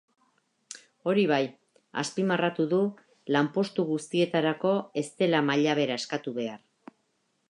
Hori bai, azpimarratu du lanpostu guztietarako ez dela maila bera eskatu behar.